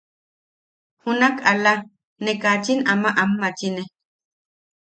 Junak ala, ne kachin ama anmachine.